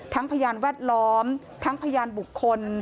พยานแวดล้อมทั้งพยานบุคคล